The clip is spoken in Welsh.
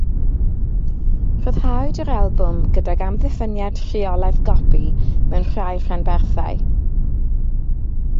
Rhyddhawyd yr albwm gydag amddiffyniad Rheolaeth Gopi mewn rhai rhanbarthau.